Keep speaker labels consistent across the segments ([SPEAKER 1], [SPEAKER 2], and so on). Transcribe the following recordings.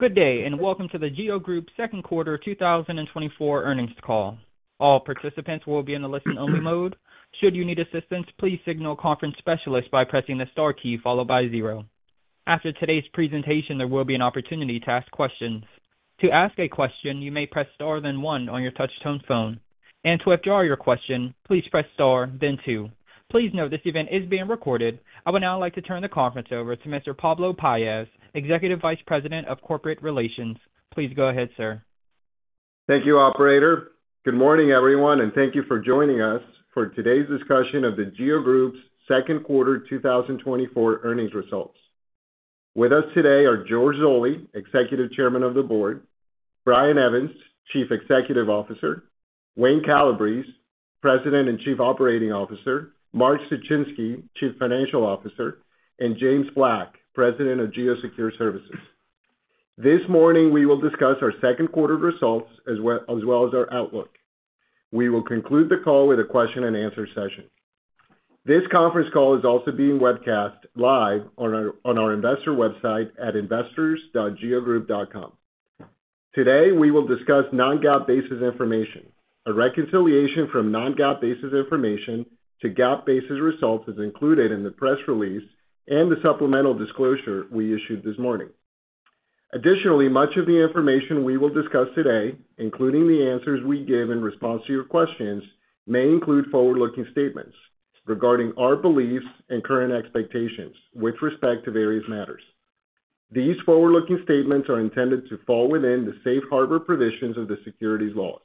[SPEAKER 1] Good day, and welcome to The GEO Group's second quarter 2024 earnings call. All participants will be in the listen-only mode. Should you need assistance, please signal a conference specialist by pressing the star key followed by zero. After today's presentation, there will be an opportunity to ask questions. To ask a question, you may press star, then one on your touch-tone phone, and to withdraw your question, please press star, then two. Please note, this event is being recorded. I would now like to turn the conference over to Mr. Pablo Paez, Executive Vice President of Corporate Relations. Please go ahead, sir.
[SPEAKER 2] Thank you, operator. Good morning, everyone, and thank you for joining us for today's discussion of the GEO Group's second quarter 2024 earnings results. With us today are George Zoley, Executive Chairman of the Board, Brian Evans, Chief Executive Officer, Wayne Calabrese, President and Chief Operating Officer, Mark Suchinski, Chief Financial Officer, and James Black, President of GEO Secure Services. This morning, we will discuss our second quarter results, as well as our outlook. We will conclude the call with a question-and-answer session. This conference call is also being webcast live on our investor website at investors.geogroup.com. Today, we will discuss non-GAAP basis information. A reconciliation from non-GAAP basis information to GAAP basis results is included in the press release and the supplemental disclosure we issued this morning. Additionally, much of the information we will discuss today, including the answers we give in response to your questions, may include forward-looking statements regarding our beliefs and current expectations with respect to various matters. These forward-looking statements are intended to fall within the safe harbor provisions of the securities laws.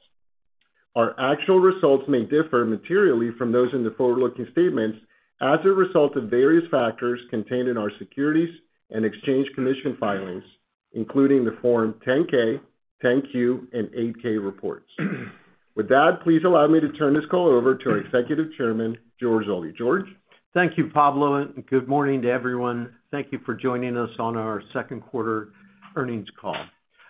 [SPEAKER 2] Our actual results may differ materially from those in the forward-looking statements as a result of various factors contained in our Securities and Exchange Commission filings, including the Form 10-K, 10-Q, and 8-K reports. With that, please allow me to turn this call over to our Executive Chairman, George Zoley. George?
[SPEAKER 3] Thank you, Pablo, and good morning to everyone. Thank you for joining us on our second quarter earnings call.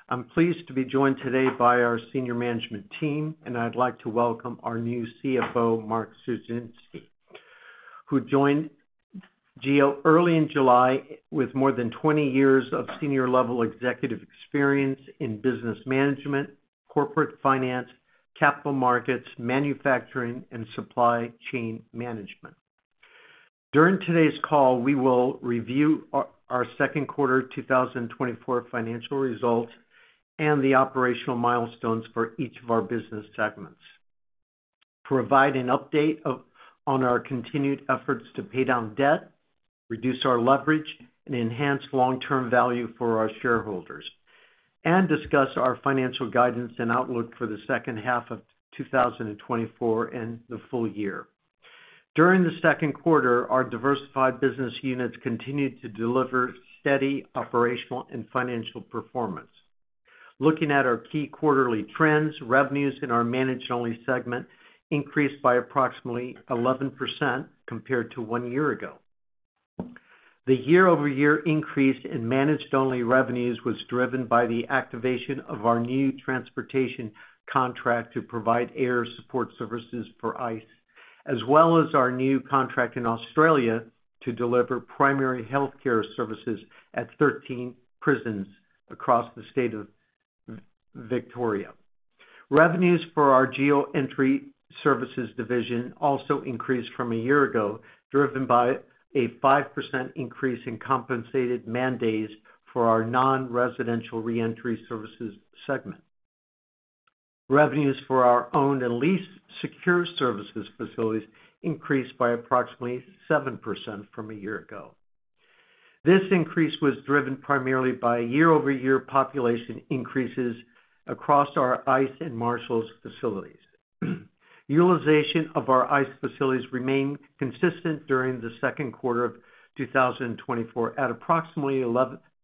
[SPEAKER 3] I'm pleased to be joined today by our senior management team, and I'd like to welcome our new CFO, Mark Suchinski, who joined GEO early in July with more than 20 years of senior-level executive experience in business management, corporate finance, capital markets, manufacturing, and supply chain management. During today's call, we will review our second quarter 2024 financial results and the operational milestones for each of our business segments, provide an update on our continued efforts to pay down debt, reduce our leverage, and enhance long-term value for our shareholders, and discuss our financial guidance and outlook for the second half of 2024 and the full year. During the second quarter, our diversified business units continued to deliver steady operational and financial performance. Looking at our key quarterly trends, revenues in our managed-only segment increased by approximately 11% compared to one year ago. The year-over-year increase in managed-only revenues was driven by the activation of our new transportation contract to provide air support services for ICE, as well as our new contract in Australia to deliver primary healthcare services at 13 prisons across the state of Victoria. Revenues for our GEO Reentry Services division also increased from a year ago, driven by a 5% increase in compensated man days for our non-residential reentry services segment. Revenues for our owned and leased secure services facilities increased by approximately 7% from a year ago. This increase was driven primarily by year-over-year population increases across our ICE and Marshals facilities. Utilization of our ICE facilities remained consistent during the second quarter of 2024 at approximately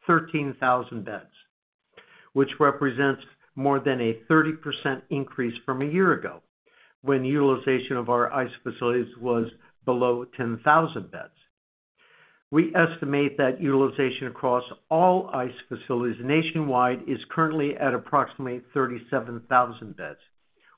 [SPEAKER 3] 11,000-13,000 beds, which represents more than a 30% increase from a year ago, when utilization of our ICE facilities was below 10,000 beds. We estimate that utilization across all ICE facilities nationwide is currently at approximately 37,000 beds,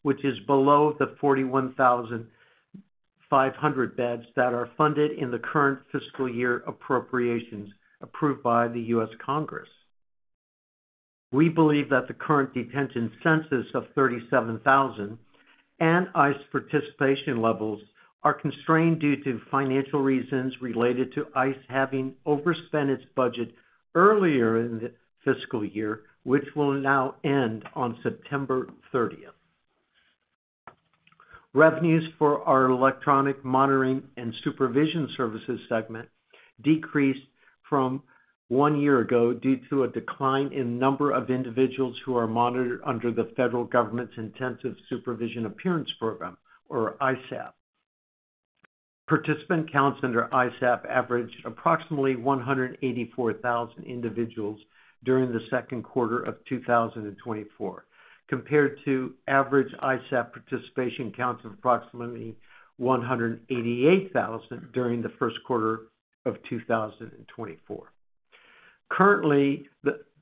[SPEAKER 3] which is below the 41,500 beds that are funded in the current fiscal year appropriations approved by the U.S. Congress. We believe that the current detention census of 37,000 and ICE participation levels are constrained due to financial reasons related to ICE having overspent its budget earlier in the fiscal year, which will now end on September thirtieth. Revenues for our electronic monitoring and supervision services segment decreased from one year ago due to a decline in number of individuals who are monitored under the federal government's Intensive Supervision Appearance Program, or ISAP. Participant counts under ISAP averaged approximately 184,000 individuals during the second quarter of 2024, compared to average ISAP participation counts of approximately 188,000 during the first quarter of 2024. Currently,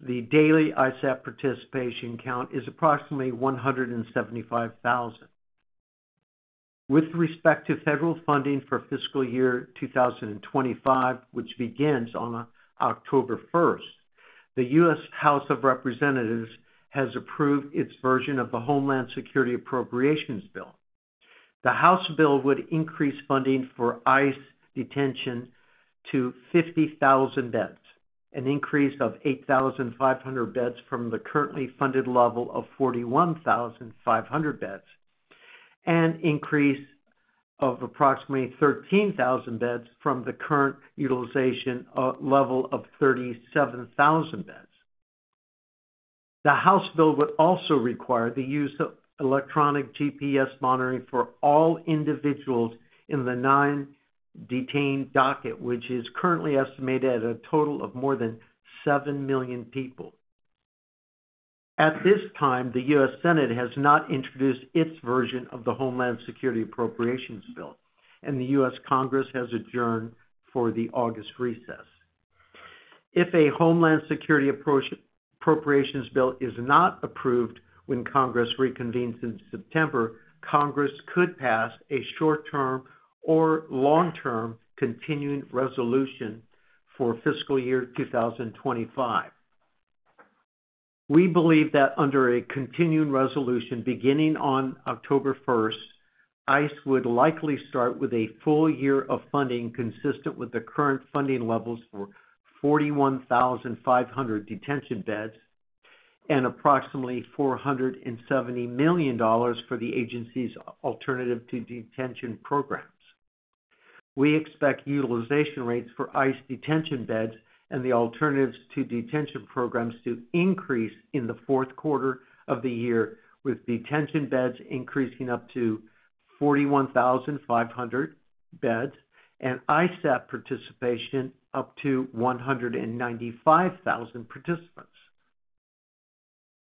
[SPEAKER 3] the daily ISAP participation count is approximately 175,000.... With respect to federal funding for fiscal year 2025, which begins on October 1, the U.S. House of Representatives has approved its version of the Homeland Security Appropriations Bill. The House bill would increase funding for ICE detention to 50,000 beds, an increase of 8,500 beds from the currently funded level of 41,500 beds, an increase of approximately 13,000 beds from the current utilization level of 37,000 beds. The House bill would also require the use of electronic GPS monitoring for all individuals in the non-detained docket, which is currently estimated at a total of more than 7,000,000 people. At this time, the U.S. Senate has not introduced its version of the Homeland Security Appropriations Bill, and the U.S. Congress has adjourned for the August recess. If a Homeland Security Appropriations Bill is not approved when Congress reconvenes in September, Congress could pass a short-term or long-term continuing resolution for fiscal year 2025. We believe that under a continuing resolution, beginning on October first, ICE would likely start with a full year of funding, consistent with the current funding levels for 41,500 detention beds and approximately $470 million for the agency's alternative to detention programs. We expect utilization rates for ICE detention beds and the alternatives to detention programs to increase in the fourth quarter of the year, with detention beds increasing up to 41,500 beds and ISAP participation up to 195,000 participants.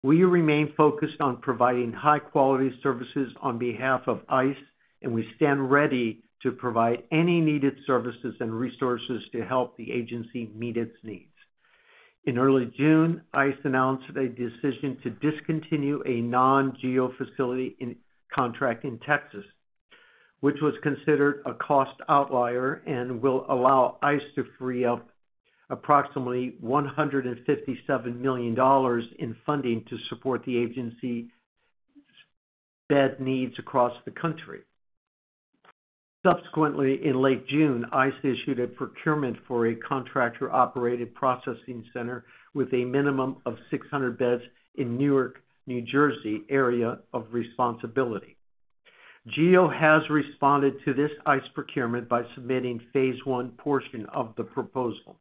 [SPEAKER 3] We remain focused on providing high-quality services on behalf of ICE, and we stand ready to provide any needed services and resources to help the agency meet its needs. In early June, ICE announced a decision to discontinue a non-GEO facility contract in Texas, which was considered a cost outlier and will allow ICE to free up approximately $157 million in funding to support the agency's bed needs across the country. Subsequently, in late June, ICE issued a procurement for a contractor-operated processing center with a minimum of 600 beds in Newark, New Jersey area of responsibility. GEO has responded to this ICE procurement by submitting phase one portion of the proposal.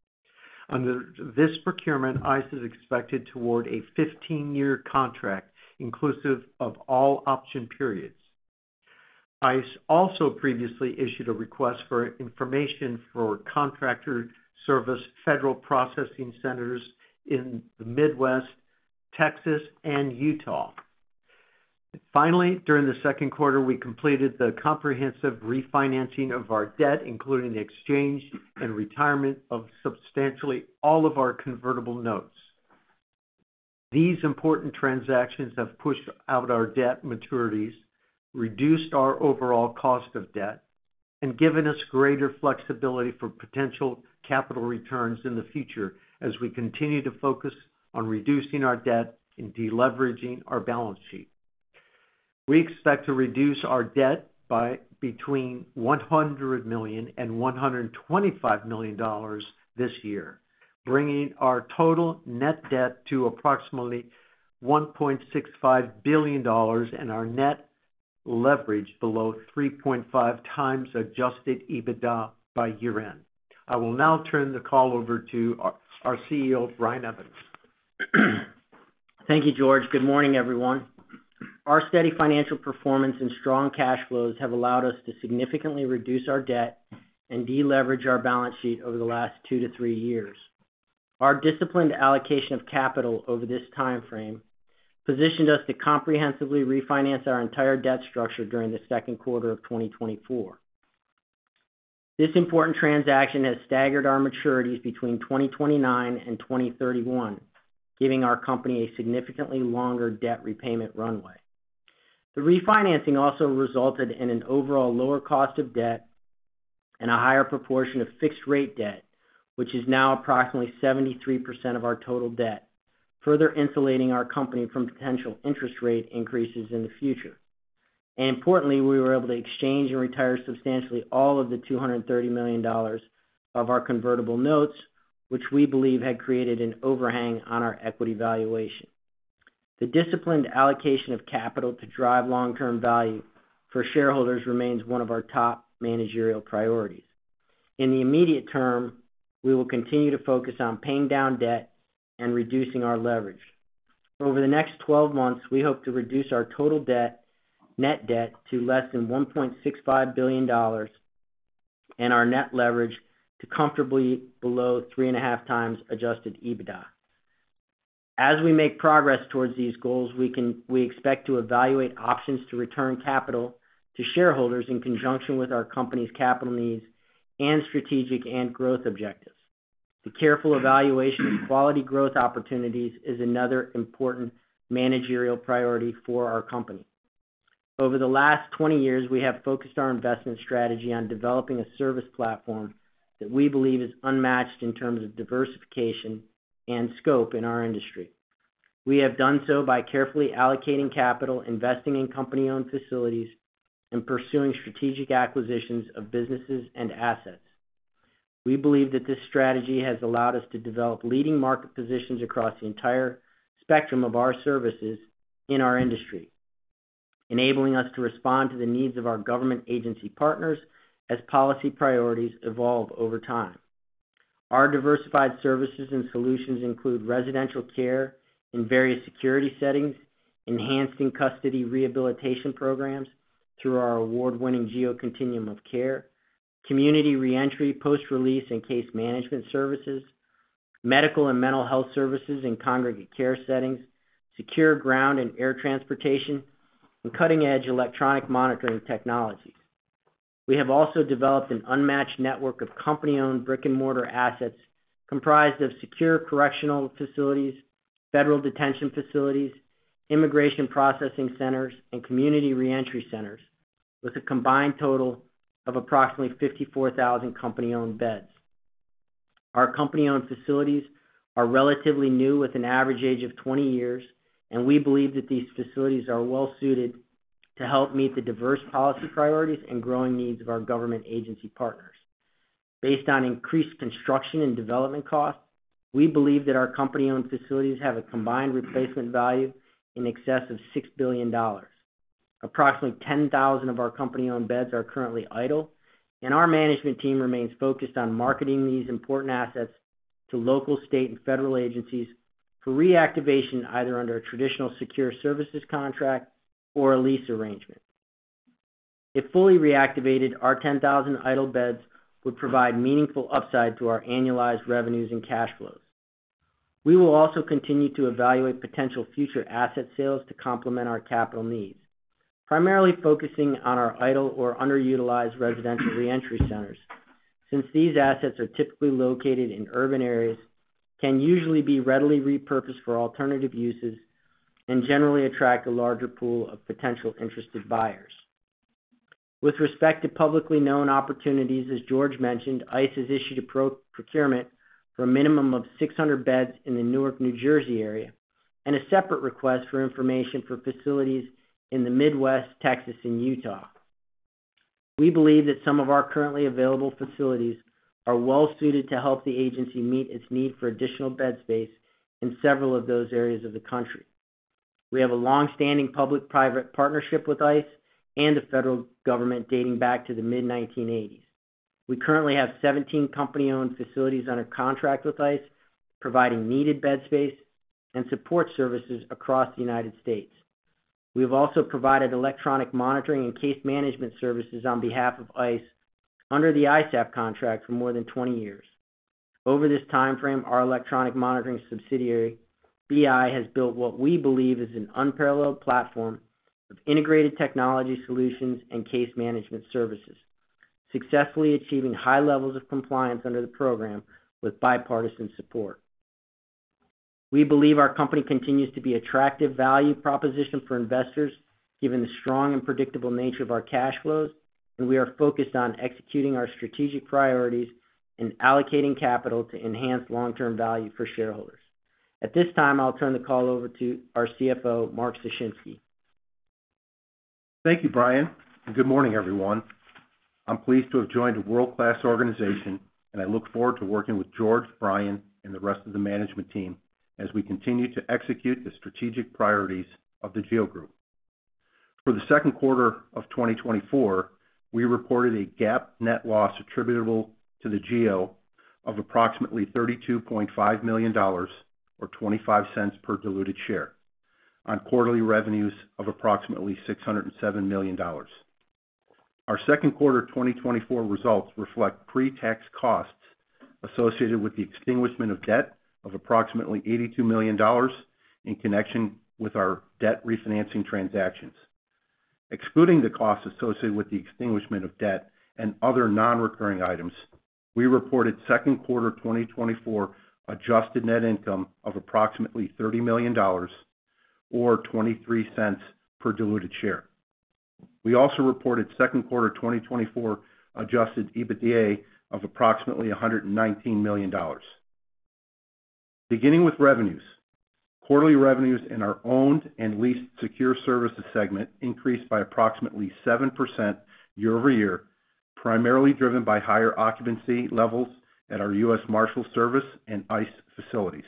[SPEAKER 3] Under this procurement, ICE is expected to award a 15-year contract, inclusive of all option periods. ICE also previously issued a request for information for contractor service, federal processing centers in the Midwest, Texas, and Utah. Finally, during the second quarter, we completed the comprehensive refinancing of our debt, including the exchange and retirement of substantially all of our convertible notes. These important transactions have pushed out our debt maturities, reduced our overall cost of debt, and given us greater flexibility for potential capital returns in the future as we continue to focus on reducing our debt and deleveraging our balance sheet. We expect to reduce our debt by between $100 million and $125 million this year, bringing our total net debt to approximately $1.65 billion, and our net leverage below 3.5x Adjusted EBITDA by year-end. I will now turn the call over to our CEO, Brian Evans.
[SPEAKER 4] Thank you, George. Good morning, everyone. Our steady financial performance and strong cash flows have allowed us to significantly reduce our debt and deleverage our balance sheet over the last 2 to 3 years. Our disciplined allocation of capital over this time frame positioned us to comprehensively refinance our entire debt structure during the second quarter of 2024. This important transaction has staggered our maturities between 2029 and 2031, giving our company a significantly longer debt repayment runway. The refinancing also resulted in an overall lower cost of debt and a higher proportion of fixed-rate debt, which is now approximately 73% of our total debt, further insulating our company from potential interest rate increases in the future. Importantly, we were able to exchange and retire substantially all of the $230 million of our convertible notes, which we believe had created an overhang on our equity valuation. The disciplined allocation of capital to drive long-term value for shareholders remains one of our top managerial priorities. In the immediate term, we will continue to focus on paying down debt and reducing our leverage. Over the next 12 months, we hope to reduce our total debt, net debt to less than $1.65 billion and our net leverage to comfortably below 3.5x Adjusted EBITDA. As we make progress towards these goals, we expect to evaluate options to return capital to shareholders in conjunction with our company's capital needs and strategic and growth objectives.... The careful evaluation of quality growth opportunities is another important managerial priority for our company. Over the last 20 years, we have focused our investment strategy on developing a service platform that we believe is unmatched in terms of diversification and scope in our industry. We have done so by carefully allocating capital, investing in company-owned facilities, and pursuing strategic acquisitions of businesses and assets. We believe that this strategy has allowed us to develop leading market positions across the entire spectrum of our services in our industry, enabling us to respond to the needs of our government agency partners as policy priorities evolve over time. Our diversified services and solutions include residential care in various security settings, enhanced in-custody rehabilitation programs through our award-winning GEO Continuum of Care, community reentry, post-release, and case management services, medical and mental health services in congregate care settings, secure ground and air transportation, and cutting-edge electronic monitoring technologies. We have also developed an unmatched network of company-owned brick-and-mortar assets, comprised of secure correctional facilities, federal detention facilities, immigration processing centers, and community reentry centers, with a combined total of approximately 54,000 company-owned beds. Our company-owned facilities are relatively new, with an average age of 20 years, and we believe that these facilities are well suited to help meet the diverse policy priorities and growing needs of our government agency partners. Based on increased construction and development costs, we believe that our company-owned facilities have a combined replacement value in excess of $6 billion. Approximately 10,000 of our company-owned beds are currently idle, and our management team remains focused on marketing these important assets to local, state, and federal agencies for reactivation, either under a traditional secure services contract or a lease arrangement. If fully reactivated, our 10,000 idle beds would provide meaningful upside to our annualized revenues and cash flows. We will also continue to evaluate potential future asset sales to complement our capital needs, primarily focusing on our idle or underutilized residential reentry centers, since these assets are typically located in urban areas, can usually be readily repurposed for alternative uses, and generally attract a larger pool of potential interested buyers. With respect to publicly known opportunities, as George mentioned, ICE has issued a procurement for a minimum of 600 beds in the Newark, New Jersey, area, and a separate request for information for facilities in the Midwest, Texas, and Utah. We believe that some of our currently available facilities are well suited to help the agency meet its need for additional bed space in several of those areas of the country. We have a long-standing public-private partnership with ICE and the federal government dating back to the mid-1980s. We currently have 17 company-owned facilities under contract with ICE, providing needed bed space and support services across the United States. We have also provided electronic monitoring and case management services on behalf of ICE under the ISAP contract for more than 20 years. Over this time frame, our electronic monitoring subsidiary, BI, has built what we believe is an unparalleled platform of integrated technology solutions and case management services, successfully achieving high levels of compliance under the program with bipartisan support. We believe our company continues to be an attractive value proposition for investors, given the strong and predictable nature of our cash flows, and we are focused on executing our strategic priorities and allocating capital to enhance long-term value for shareholders. At this time, I'll turn the call over to our CFO, Mark Suchinski.
[SPEAKER 5] Thank you, Brian, and good morning, everyone. I'm pleased to have joined a world-class organization, and I look forward to working with George, Brian, and the rest of the management team as we continue to execute the strategic priorities of The GEO Group. For the second quarter of 2024, we reported a GAAP net loss attributable to GEO of approximately $32.5 million, or $0.25 per diluted share, on quarterly revenues of approximately $607 million. Our second quarter 2024 results reflect pre-tax costs associated with the extinguishment of debt of approximately $82 million in connection with our debt refinancing transactions. Excluding the costs associated with the extinguishment of debt and other non-recurring items, we reported second quarter 2024 adjusted net income of approximately $30 million, or $0.23 per diluted share. We also reported second quarter 2024 adjusted EBITDA of approximately $119 million. Beginning with revenues, quarterly revenues in our owned and leased secure services segment increased by approximately 7% year-over-year, primarily driven by higher occupancy levels at our U.S. Marshals Service and ICE facilities.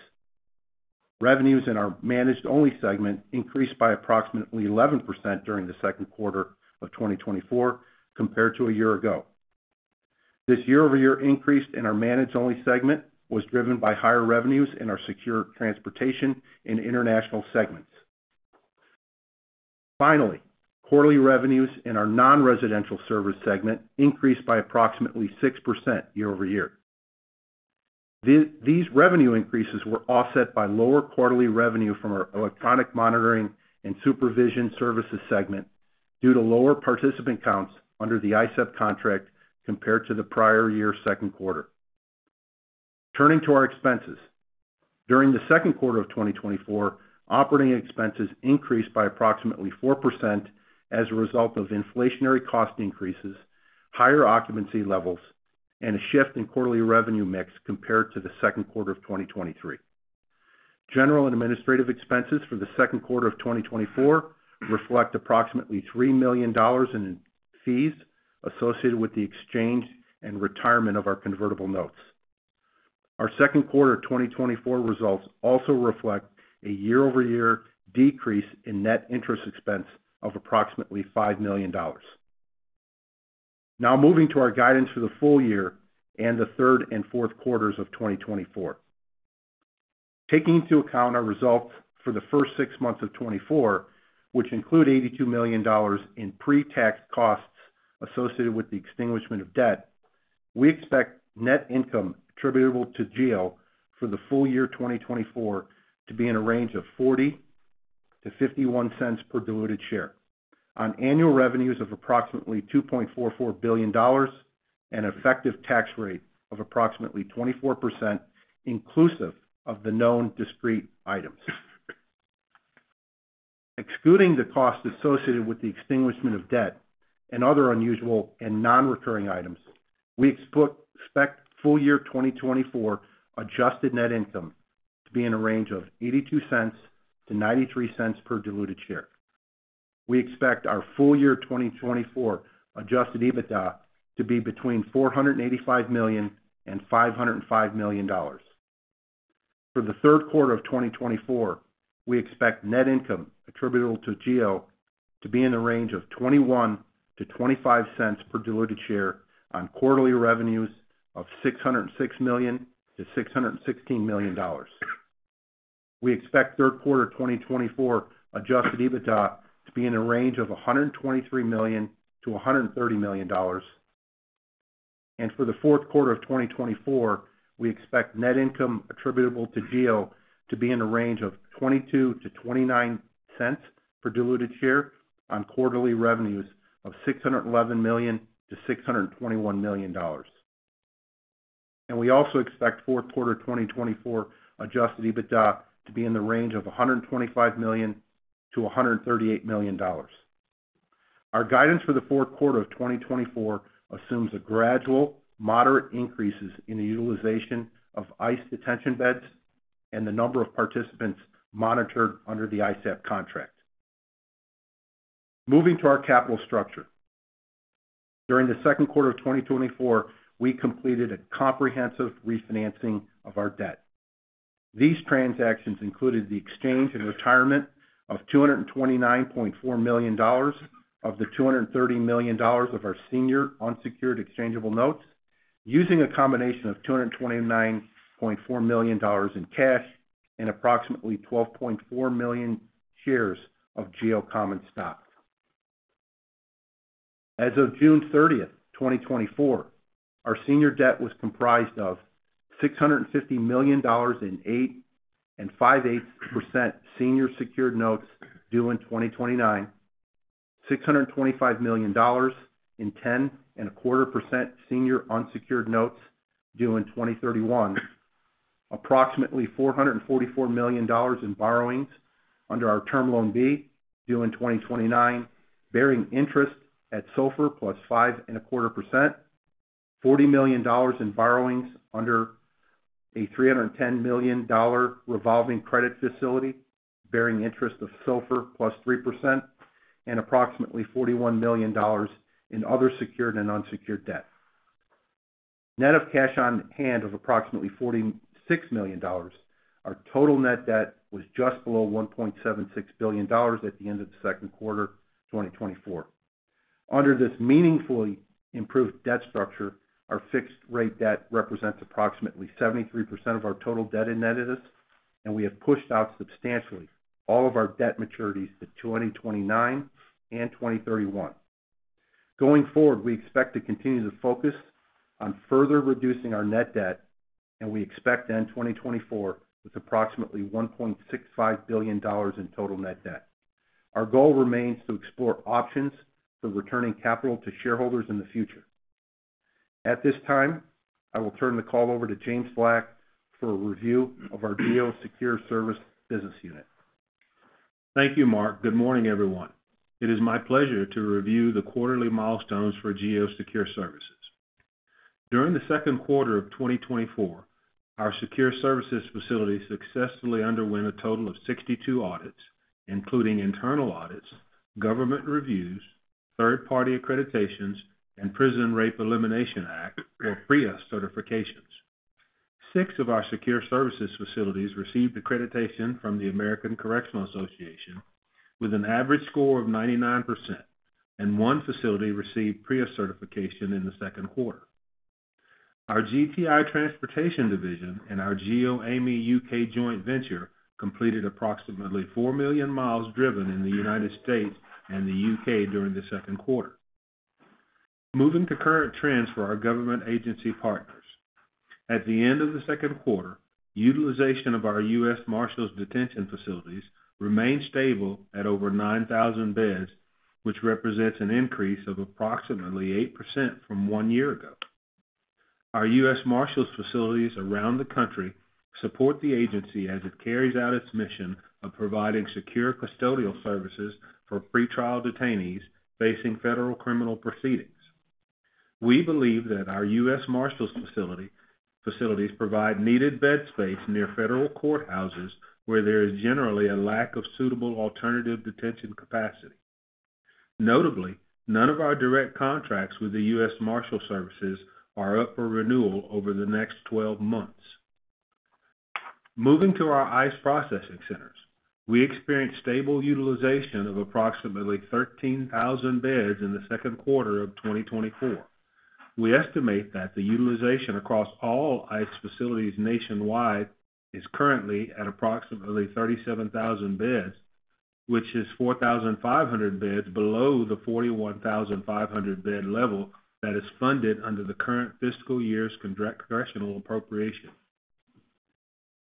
[SPEAKER 5] Revenues in our managed-only segment increased by approximately 11% during the second quarter of 2024 compared to a year ago. This year-over-year increase in our managed-only segment was driven by higher revenues in our secure transportation and international segments. Finally, quarterly revenues in our non-residential service segment increased by approximately 6% year-over-year. These revenue increases were offset by lower quarterly revenue from our electronic monitoring and supervision services segment due to lower participant counts under the ISAP contract compared to the prior year's second quarter. Turning to our expenses. During the second quarter of 2024, operating expenses increased by approximately 4% as a result of inflationary cost increases, higher occupancy levels, and a shift in quarterly revenue mix compared to the second quarter of 2023. General and administrative expenses for the second quarter of 2024 reflect approximately $3 million in fees associated with the exchange and retirement of our convertible notes. Our second quarter of 2024 results also reflect a year-over-year decrease in net interest expense of approximately $5 million. Now, moving to our guidance for the full year and the third and fourth quarters of 2024. Taking into account our results for the first six months of 2024, which include $82 million in pre-tax costs associated with the extinguishment of debt, we expect net income attributable to GEO for the full year 2024 to be in a range of 40-51 cents per diluted share, on annual revenues of approximately $2.44 billion, and effective tax rate of approximately 24%, inclusive of the known discrete items. Excluding the costs associated with the extinguishment of debt and other unusual and nonrecurring items, we expect full year 2024 adjusted net income to be in a range of 82-93 cents per diluted share. We expect our full year 2024 Adjusted EBITDA to be between $485 million and $505 million. For the third quarter of 2024, we expect net income attributable to GEO to be in the range of $0.21-$0.25 per diluted share on quarterly revenues of $606 million-$616 million. We expect third quarter of 2024 adjusted EBITDA to be in a range of $123 million-$130 million. For the fourth quarter of 2024, we expect net income attributable to GEO to be in a range of $0.22-$0.29 per diluted share on quarterly revenues of $611 million-$621 million. We also expect fourth quarter 2024 adjusted EBITDA to be in the range of $125 million-$138 million. Our guidance for the fourth quarter of 2024 assumes a gradual, moderate increases in the utilization of ICE detention beds and the number of participants monitored under the ICEF contract. Moving to our capital structure. During the second quarter of 2024, we completed a comprehensive refinancing of our debt. These transactions included the exchange and retirement of $229.4 million of the $230 million of our senior unsecured exchangeable notes, using a combination of $229.4 million in cash and approximately 12.4 million shares of GEO common stock. As of June 30, 2024, our senior debt was comprised of $650 million in 8 5/8% senior secured notes due in 2029, $625 million in 10.25% senior unsecured notes due in 2031, approximately $444 million in borrowings under our Term Loan B, due in 2029, bearing interest at SOFR + 5.25%, $40 million in borrowings under a $310 million revolving credit facility, bearing interest of SOFR + 3%, and approximately $41 million in other secured and unsecured debt. Net of cash on hand of approximately $46 million, our total net debt was just below $1.76 billion at the end of the second quarter 2024. Under this meaningfully improved debt structure, our fixed rate debt represents approximately 73% of our total debt in net of this, and we have pushed out substantially all of our debt maturities to 2029 and 2031. Going forward, we expect to continue to focus on further reducing our net debt, and we expect to end 2024 with approximately $1.65 billion in total net debt. Our goal remains to explore options for returning capital to shareholders in the future. At this time, I will turn the call over to James Black for a review of our GEO Secure Services business unit.
[SPEAKER 6] Thank you, Mark. Good morning, everyone. It is my pleasure to review the quarterly milestones for GEO Secure Services. During the second quarter of 2024, our secure services facility successfully underwent a total of 62 audits, including internal audits, government reviews, third-party accreditations, and Prison Rape Elimination Act, or PREA certifications. 6 of our secure services facilities received accreditation from the American Correctional Association with an average score of 99%, and 1 facility received PREA certification in the second quarter. Our GTI transportation division and our GEOAmey U.K. joint venture completed approximately 4 million miles driven in the United States and the U.K. during the second quarter. Moving to current trends for our government agency partners. At the end of the second quarter, utilization of our U.S. Marshals detention facilities remained stable at over 9,000 beds, which represents an increase of approximately 8% from one year ago. Our U.S. Marshals facilities around the country support the agency as it carries out its mission of providing secure custodial services for pretrial detainees facing federal criminal proceedings. We believe that our U.S. Marshals facilities provide needed bed space near federal courthouses, where there is generally a lack of suitable alternative detention capacity. Notably, none of our direct contracts with the U.S. Marshals Service are up for renewal over the next 12 months. Moving to our ICE processing centers, we experienced stable utilization of approximately 13,000 beds in the second quarter of 2024. We estimate that the utilization across all ICE facilities nationwide is currently at approximately 37,000 beds, which is 4,500 beds below the 41,500 bed level that is funded under the current fiscal year's contract congressional appropriation.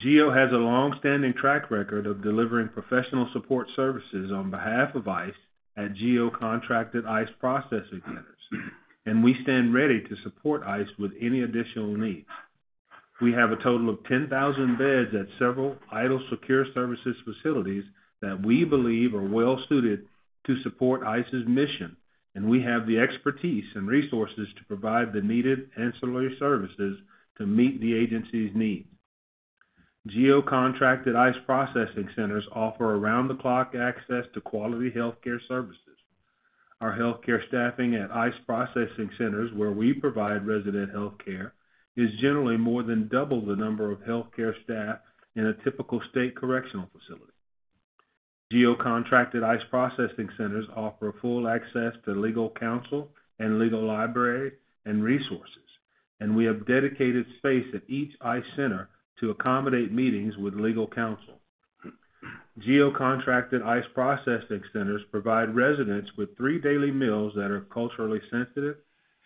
[SPEAKER 6] GEO has a long-standing track record of delivering professional support services on behalf of ICE at GEO-contracted ICE processing centers, and we stand ready to support ICE with any additional needs. We have a total of 10,000 beds at several idle secure services facilities that we believe are well suited to support ICE's mission, and we have the expertise and resources to provide the needed ancillary services to meet the agency's needs. GEO-contracted ICE processing centers offer around-the-clock access to quality healthcare services. Our healthcare staffing at ICE processing centers, where we provide resident healthcare, is generally more than double the number of healthcare staff in a typical state correctional facility. GEO-contracted ICE processing centers offer full access to legal counsel, and legal library, and resources, and we have dedicated space at each ICE center to accommodate meetings with legal counsel. GEO-contracted ICE processing centers provide residents with three daily meals that are culturally sensitive,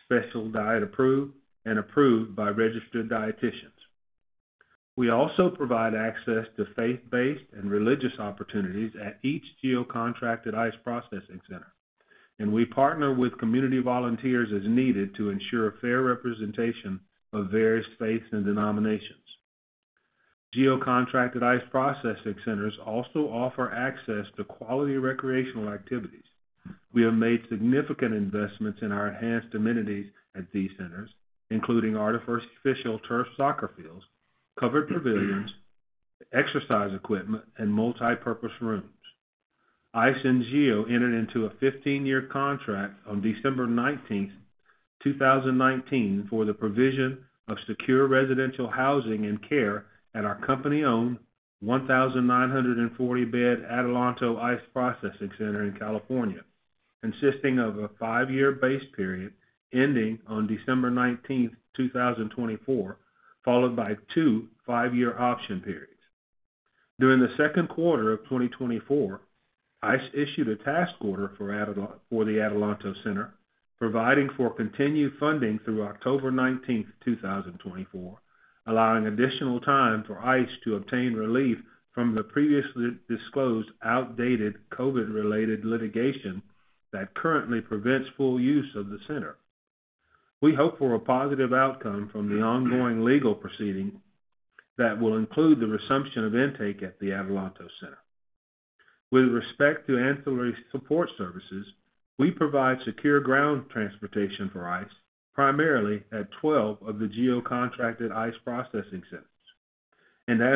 [SPEAKER 6] special diet approved, and approved by registered dietitians. We also provide access to faith-based and religious opportunities at each GEO-contracted ICE processing center, and we partner with community volunteers as needed to ensure a fair representation of various faiths and denominations. GEO-contracted ICE processing centers also offer access to quality recreational activities. We have made significant investments in our enhanced amenities at these centers, including our first official turf soccer fields, covered pavilions, exercise equipment, and multipurpose rooms. ICE and GEO entered into a 15-year contract on December 19th, 2019, for the provision of secure residential housing and care at our company-owned 1,940-bed Adelanto ICE Processing Center in California, consisting of a 5-year base period ending on December 19th, 2024, followed by two 5-year option periods. During the second quarter of 2024, ICE issued a task order for the Adelanto Center, providing for continued funding through October 19th, 2024, allowing additional time for ICE to obtain relief from the previously disclosed, outdated, COVID-related litigation that currently prevents full use of the center. We hope for a positive outcome from the ongoing legal proceeding that will include the resumption of intake at the Adelanto Center. With respect to ancillary support services, we provide secure ground transportation for ICE, primarily at 12 of the GEO-contracted ICE processing centers.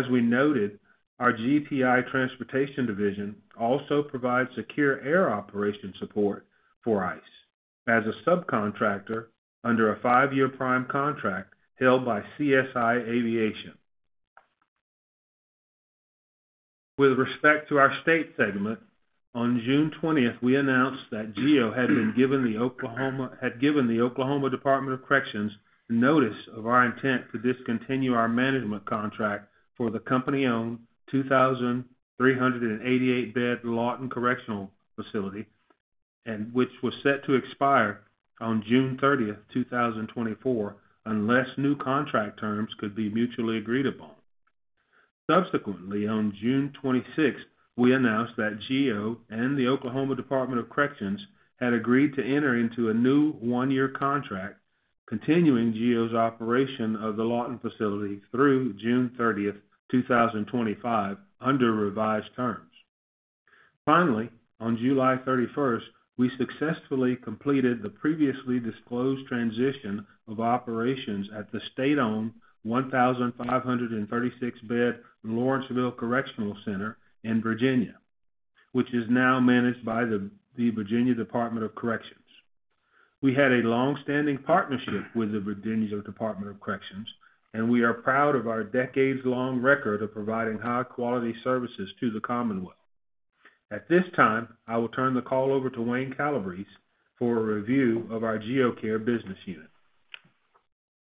[SPEAKER 6] As we noted, our GTI transportation division also provides secure air operation support for ICE as a subcontractor under a 5-year prime contract held by CSI Aviation. With respect to our state segment, on June twentieth, we announced that GEO had given the Oklahoma Department of Corrections notice of our intent to discontinue our management contract for the company-owned 2,388-bed Lawton Correctional Facility, which was set to expire on June 30th, 2024, unless new contract terms could be mutually agreed upon. Subsequently, on June 26th, we announced that GEO and the Oklahoma Department of Corrections had agreed to enter into a new one-year contract, continuing GEO's operation of the Lawton facility through June 30th, 2025, under revised terms. Finally, on July 31st, we successfully completed the previously disclosed transition of operations at the state-owned 1,536-bed Lawrenceville Correctional Center in Virginia, which is now managed by the Virginia Department of Corrections. We had a long-standing partnership with the Virginia Department of Corrections, and we are proud of our decades-long record of providing high-quality services to the Commonwealth. At this time, I will turn the call over to Wayne Calabrese for a review of our GEO Care business unit....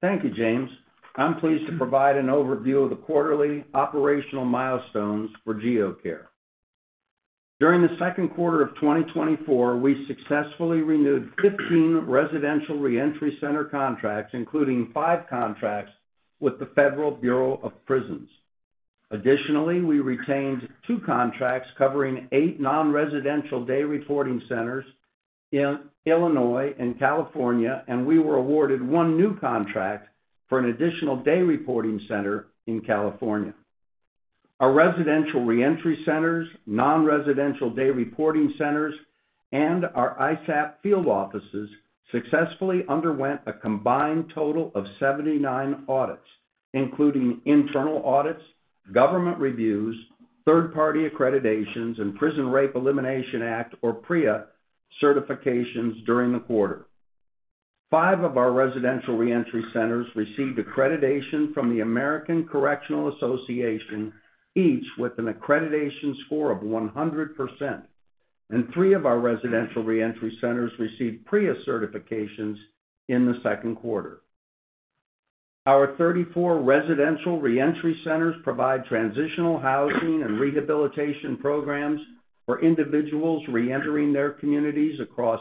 [SPEAKER 7] Thank you, James. I'm pleased to provide an overview of the quarterly operational milestones for GEO Care. During the second quarter of 2024, we successfully renewed 15 residential reentry center contracts, including five contracts with the Federal Bureau of Prisons. Additionally, we retained two contracts covering eight nonresidential day reporting centers in Illinois and California, and we were awarded 1 new contract for an additional day reporting center in California. Our residential reentry centers, nonresidential day reporting centers, and our ISAP field offices successfully underwent a combined total of 79 audits, including internal audits, government reviews, third-party accreditations, and Prison Rape Elimination Act, or PREA, certifications during the quarter. five of our residential reentry centers received accreditation from the American Correctional Association, each with an accreditation score of 100%, and three of our residential reentry centers received PREA certifications in the second quarter. Our 34 residential reentry centers provide transitional housing and rehabilitation programs for individuals reentering their communities across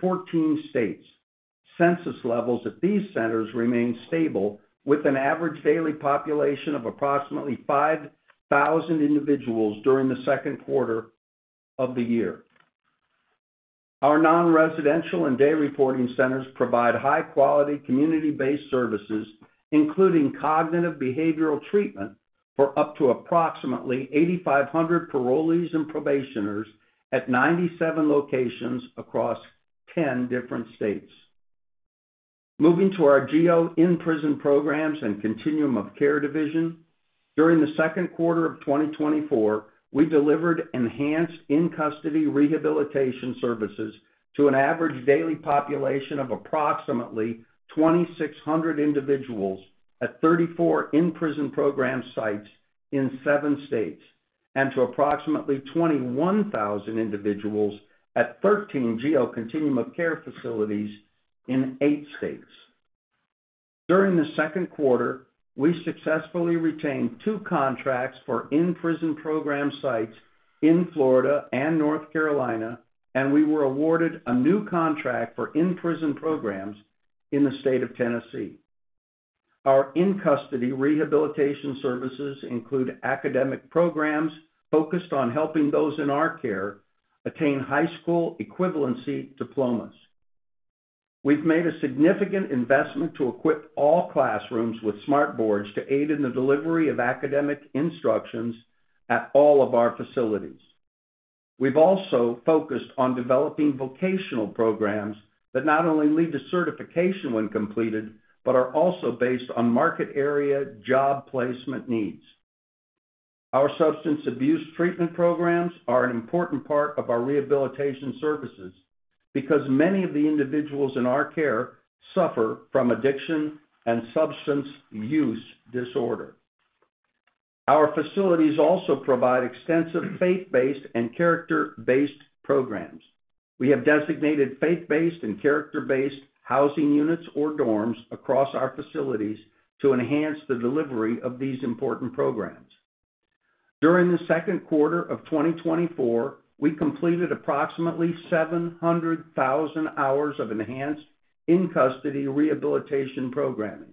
[SPEAKER 7] 14 states. Census levels at these centers remain stable, with an average daily population of approximately 5,000 individuals during the second quarter of the year. Our nonresidential and day reporting centers provide high-quality, community-based services, including cognitive behavioral treatment, for up to approximately 8,500 parolees and probationers at 97 locations across 10 different states. Moving to our GEO In Prison Programs and Continuum of Care division, during the second quarter of 2024, we delivered enhanced in-custody rehabilitation services to an average daily population of approximately 2,600 individuals at 34 in-prison program sites in seven states, and to approximately 21,000 individuals at 13 GEO Continuum of Care facilities in eight states. During the second quarter, we successfully retained two contracts for in-prison program sites in Florida and North Carolina, and we were awarded a new contract for in-prison programs in the state of Tennessee. Our in-custody rehabilitation services include academic programs focused on helping those in our care attain high school equivalency diplomas. We've made a significant investment to equip all classrooms with smart boards to aid in the delivery of academic instructions at all of our facilities. We've also focused on developing vocational programs that not only lead to certification when completed, but are also based on market area job placement needs. Our substance abuse treatment programs are an important part of our rehabilitation services because many of the individuals in our care suffer from addiction and substance use disorder. Our facilities also provide extensive faith-based and character-based programs. We have designated faith-based and character-based housing units or dorms across our facilities to enhance the delivery of these important programs. During the second quarter of 2024, we completed approximately 700,000 hours of enhanced in-custody rehabilitation programming.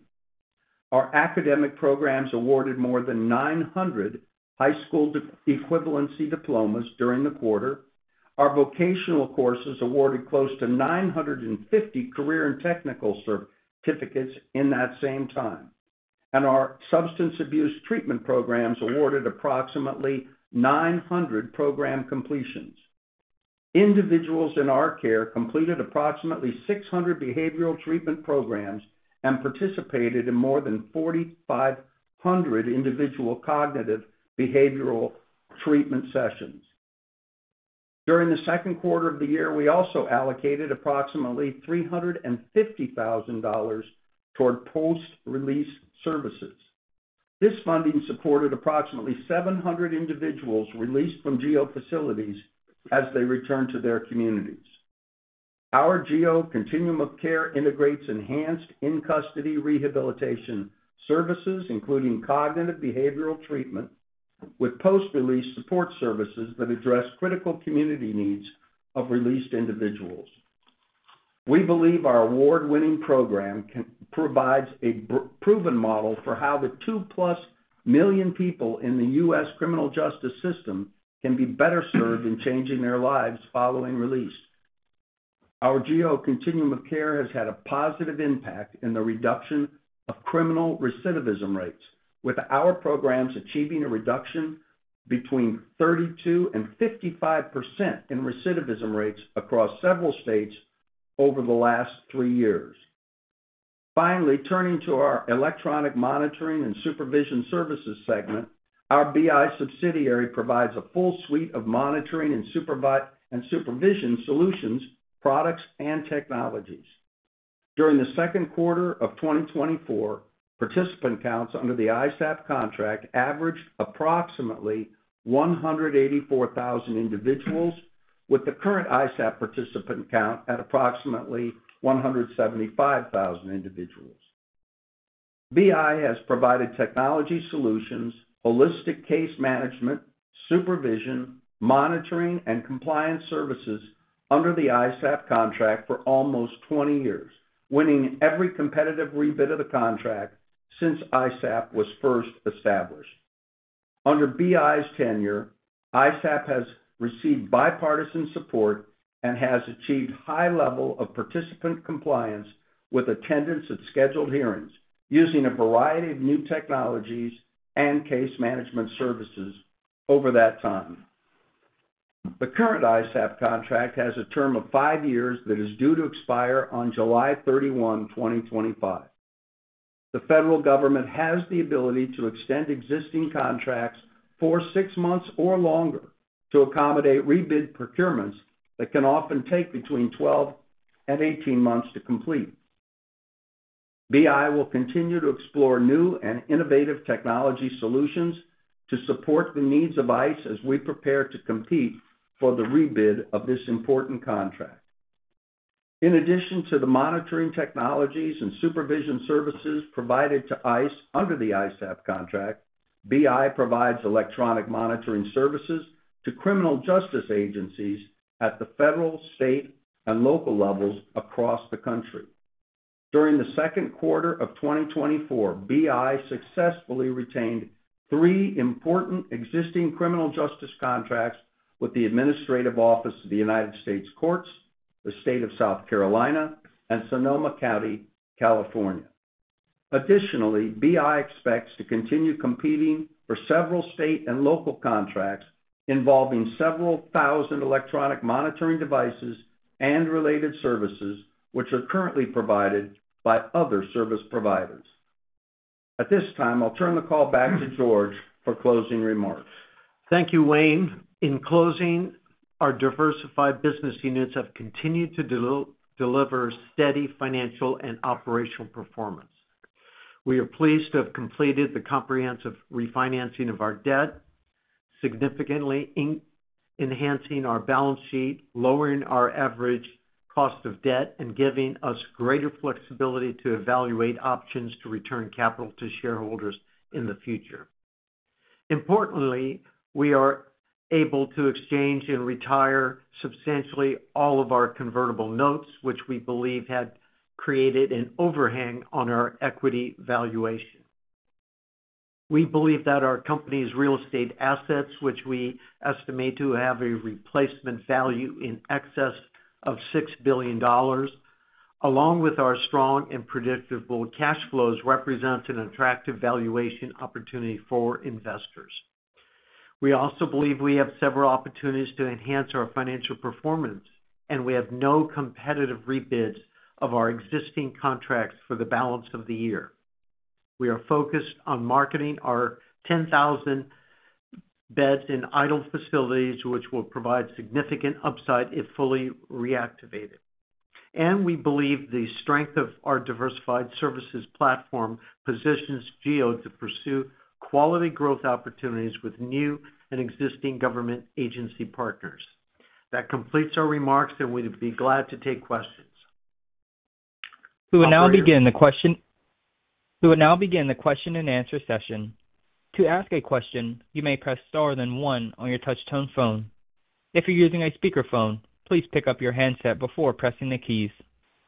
[SPEAKER 7] Our academic programs awarded more than 900 high school equivalency diplomas during the quarter. Our vocational courses awarded close to 950 career and technical certificates in that same time, and our substance abuse treatment programs awarded approximately 900 program completions. Individuals in our care completed approximately 600 behavioral treatment programs and participated in more than 4,500 individual cognitive behavioral treatment sessions. During the second quarter of the year, we also allocated approximately $350,000 toward post-release services. This funding supported approximately 700 individuals released from GEO facilities as they returned to their communities. Our GEO Continuum of Care integrates enhanced in-custody rehabilitation services, including cognitive behavioral treatment, with post-release support services that address critical community needs of released individuals. We believe our award-winning program can provide a proven model for how the 2+ million people in the U.S. criminal justice system can be better served in changing their lives following release. Our GEO Continuum of Care has had a positive impact in the reduction of criminal recidivism rates, with our programs achieving a reduction between 32% and 55% in recidivism rates across several states over the last three years. Finally, turning to our electronic monitoring and supervision services segment, our BI subsidiary provides a full suite of monitoring and supervision solutions, products, and technologies. During the second quarter of 2024, participant counts under the ISAP contract averaged approximately 184,000 individuals. With the current ISAP participant count at approximately 175,000 individuals. BI has provided technology solutions, holistic case management, supervision, monitoring, and compliance services under the ISAP contract for almost 20 years, winning every competitive rebid of the contract since ISAP was first established. Under BI's tenure, ISAP has received bipartisan support and has achieved high level of participant compliance with attendance at scheduled hearings, using a variety of new technologies and case management services over that time. The current ISAP contract has a term of five years that is due to expire on July 31st, 2025. The federal government has the ability to extend existing contracts for six months or longer to accommodate rebid procurements that can often take between 12 and 18 months to complete. BI will continue to explore new and innovative technology solutions to support the needs of ICE as we prepare to compete for the rebid of this important contract. In addition to the monitoring technologies and supervision services provided to ICE under the ISAP contract, BI provides electronic monitoring services to criminal justice agencies at the federal, state, and local levels across the country. During the second quarter of 2024, BI successfully retained three important existing criminal justice contracts with the Administrative Office of the United States Courts, the State of South Carolina, and Sonoma County, California. Additionally, BI expects to continue competing for several state and local contracts involving several thousand electronic monitoring devices and related services, which are currently provided by other service providers. At this time, I'll turn the call back to George for closing remarks.
[SPEAKER 3] Thank you, Wayne. In closing, our diversified business units have continued to deliver steady financial and operational performance. We are pleased to have completed the comprehensive refinancing of our debt, significantly enhancing our balance sheet, lowering our average cost of debt, and giving us greater flexibility to evaluate options to return capital to shareholders in the future. Importantly, we are able to exchange and retire substantially all of our convertible notes, which we believe had created an overhang on our equity valuation. We believe that our company's real estate assets, which we estimate to have a replacement value in excess of $6 billion, along with our strong and predictable cash flows, represents an attractive valuation opportunity for investors. We also believe we have several opportunities to enhance our financial performance, and we have no competitive rebids of our existing contracts for the balance of the year. We are focused on marketing our 10,000 beds in idle facilities, which will provide significant upside if fully reactivated. We believe the strength of our diversified services platform positions GEO to pursue quality growth opportunities with new and existing government agency partners. That completes our remarks, and we'd be glad to take questions.
[SPEAKER 1] We will now begin the question-and-answer session. To ask a question, you may press star, then one on your touch-tone phone. If you're using a speakerphone, please pick up your handset before pressing the keys.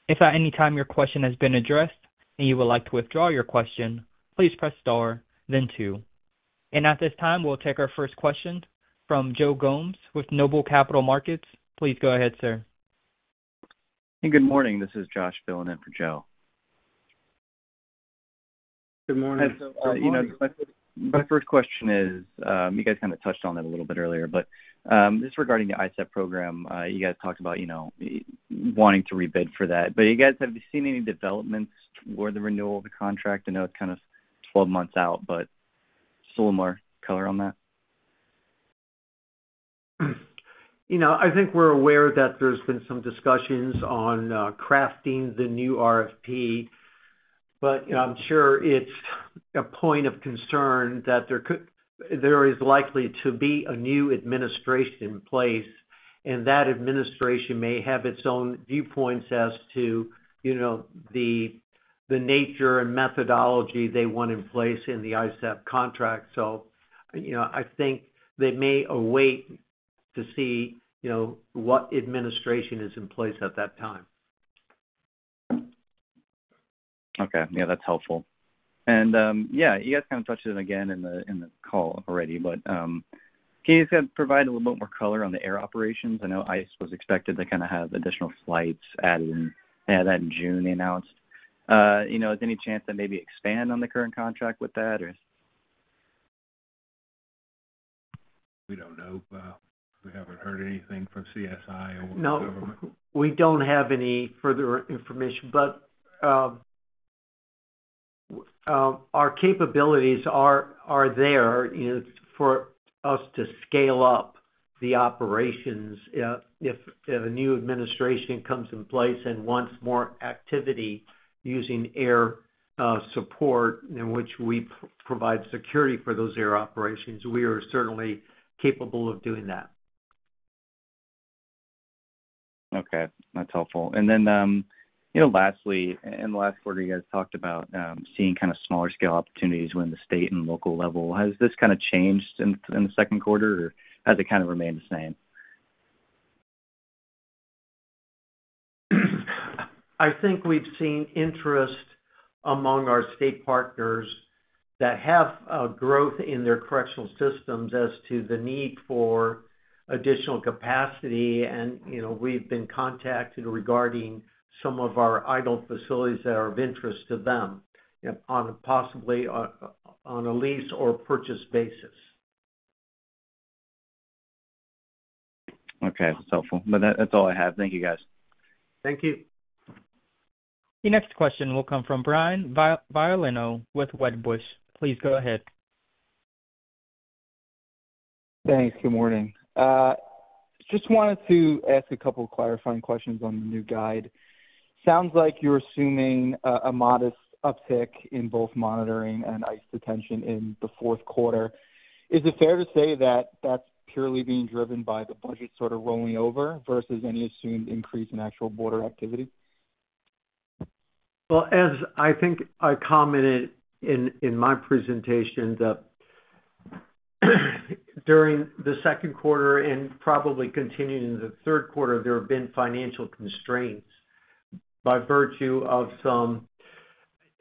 [SPEAKER 1] If at any time your question has been addressed and you would like to withdraw your question, please press star, then two. At this time, we'll take our first question from Joe Gomes with Noble Capital Markets. Please go ahead, sir.
[SPEAKER 8] Good morning, this is Josh filling in for Joe.
[SPEAKER 3] Good morning.
[SPEAKER 8] You know, my, my first question is, you guys kind of touched on it a little bit earlier, but just regarding the ISAP program, you guys talked about, you know, wanting to rebid for that. But you guys, have you seen any developments toward the renewal of the contract? I know it's kind of 12 months out, but just a little more color on that.
[SPEAKER 4] You know, I think we're aware that there's been some discussions on crafting the new RFP. But I'm sure it's a point of concern that there is likely to be a new administration in place, and that administration may have its own viewpoints as to, you know, the nature and methodology they want in place in the ISAP contract. So, you know, I think they may await to see, you know, what administration is in place at that time.
[SPEAKER 8] Okay. Yeah, that's helpful. And, yeah, you guys kind of touched on it again in the, in the call already, but, can you just kind of provide a little bit more color on the air operations? I know ICE was expected to kind of have additional flights added in. They had that in June, they announced. You know, is there any chance they maybe expand on the current contract with that, or?
[SPEAKER 6] We don't know, we haven't heard anything from CSI or the government.
[SPEAKER 4] No, we don't have any further information. But our capabilities are there, you know, for us to scale up the operations, if a new administration comes in place and wants more activity using air support, in which we provide security for those air operations, we are certainly capable of doing that....
[SPEAKER 8] Okay, that's helpful. And then, you know, lastly, in the last quarter, you guys talked about seeing kind of smaller scale opportunities within the state and local level. Has this kind of changed in the second quarter, or has it kind of remained the same?
[SPEAKER 4] I think we've seen interest among our state partners that have growth in their correctional systems as to the need for additional capacity. And, you know, we've been contacted regarding some of our idle facilities that are of interest to them, you know, on possibly a lease or purchase basis.
[SPEAKER 8] Okay, that's helpful. But that's all I have. Thank you, guys.
[SPEAKER 4] Thank you.
[SPEAKER 1] The next question will come from Brian Violino with Wedbush. Please go ahead.
[SPEAKER 9] Thanks. Good morning. Just wanted to ask a couple of clarifying questions on the new guide. Sounds like you're assuming a modest uptick in both monitoring and ICE detention in the fourth quarter. Is it fair to say that that's purely being driven by the budget sort of rolling over versus any assumed increase in actual border activity?
[SPEAKER 3] Well, as I think I commented in my presentation, that during the second quarter, and probably continuing in the third quarter, there have been financial constraints by virtue of some